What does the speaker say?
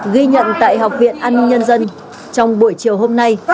ghi nhận tại học viện an ninh nhân dân trong buổi chiều hôm nay